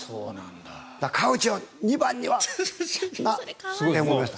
川内は２番にはと思いました。